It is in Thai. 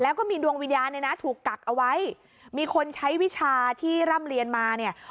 แล้วก็มีดวงวิญญาณเนี่ยนะถูกกักเอาไว้มีคนใช้วิชาที่ร่ำเรียนมาเนี่ย